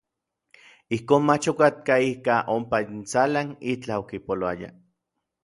Ijkon mach okatkaj ikaj ompa intsalan itlaj okipolouaya.